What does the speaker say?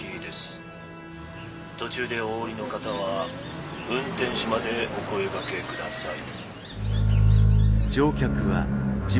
途中でお降りの方は運転手までお声がけください。